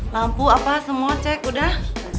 lampu apa semua cek udah